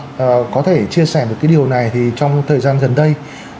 dạ vâng có thể chia sẻ một cái điều này thì trong thời gian gần đây